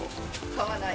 買わない。